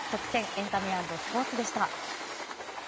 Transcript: エンタメ＆スポーツでした。